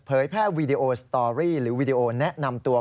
แพทย์วีดีโอสตอรี่หรือวีดีโอแนะนำตัว